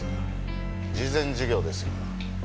慈善事業ですよ。